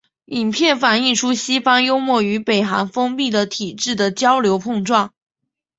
影片反映出西方幽默与北韩封闭的体制的交流碰撞。